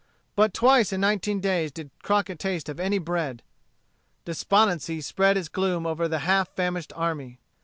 But twice in nineteen days did Crockett Taste of any bread. Despondency spread its gloom over the half famished army.